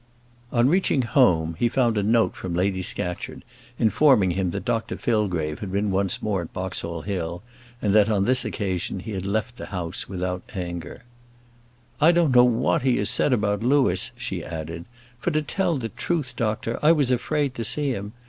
On reaching home, he found a note from Lady Scatcherd, informing him that Dr Fillgrave had once more been at Boxall Hill, and that, on this occasion, he had left the house without anger. "I don't know what he has said about Louis," she added, "for, to tell the truth, doctor, I was afraid to see him.